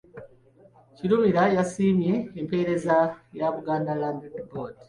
Kirumira yasiimye empeereza ya Buganda Land Board.